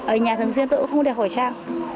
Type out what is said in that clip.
ở nhà thường xuyên tôi cũng không đeo khẩu trang